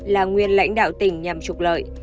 là nguyên lãnh đạo tỉnh nhằm trục lợi